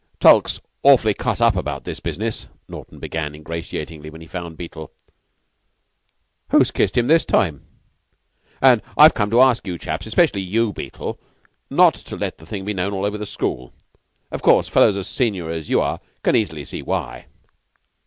"Tulke's awf'ly cut up about this business," Naughten began, ingratiatingly, when he found Beetle. "Who's kissed him this time?" " and I've come to ask you chaps, and especially you, Beetle, not to let the thing be known all over the school. Of course, fellows as senior as you are can easily see why."